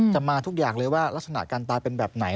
มาทุกอย่างเลยว่ารักษณะการตายเป็นแบบไหน